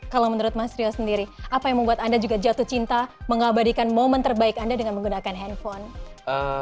kalau menurut mas rio sendiri apa yang membuat anda juga jatuh cinta mengabadikan momen terbaik anda dengan menggunakan handphone